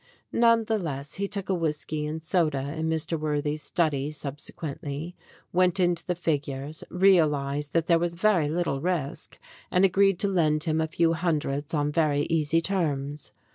None the less, he took a whisky and soda in Mr. Worthy's study subsequently, went into the figures, realized that there was very little risk, and agreed to lend him a few hundreds on very easy terms.